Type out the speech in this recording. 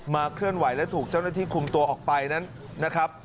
เคลื่อนไหวและถูกเจ้าหน้าที่คุมตัวออกไปนั้นนะครับ